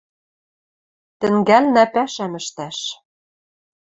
Тӹнгӓлнӓ пӓшӓм ӹштӓш.